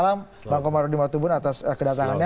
selamat malam bang komarudin watubun atas kedatangannya